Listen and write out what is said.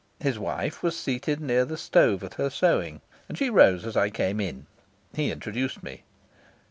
His wife was seated near the stove at her sewing, and she rose as I came in. He introduced me.